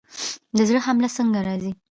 د زړه حمله څنګه راځي؟